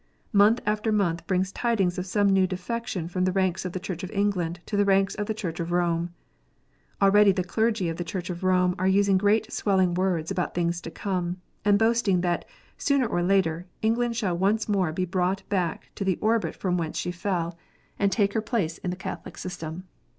Month after month brings tidings of some new defection from the ranks of the Church of England to the ranks of the Church of Rome. Already the clergy of the Church of Rome are using great swelling words about things to come, and boasting that, sooner or later, England shall once more be brought back to the orbit from whence she fell, and 56 KNOTS UNTIED. take her place in the Catholic system.